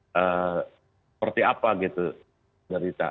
seperti apa gitu dari kita